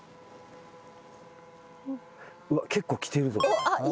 うわっ結構きてるぞ。